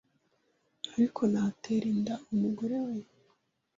ariko ntatera inda umugore we